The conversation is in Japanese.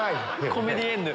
コメディエンヌ。